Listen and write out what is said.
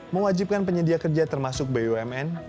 mewajibkan penyedia kerja termasuk bumn